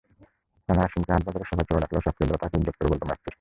কানা হাশিমকে হাটবাজারে সবাই চোরা ডাকলেও সাকরেদরা তাকে ইজ্জত করে বলত মেস্তরি।